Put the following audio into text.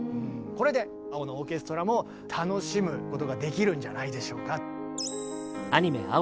これで「青のオーケストラ」も楽しむことができるんじゃないでしょうか。